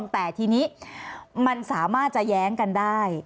แต่ทีนี้มันสามารถจะแย้งกันได้